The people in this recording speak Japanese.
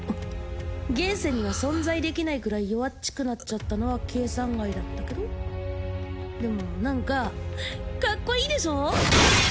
現世には存在できないくらい弱っちくなっちゃったのは計算外だったけどでも何かカッコイイでしょ？